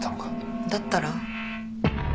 だったら？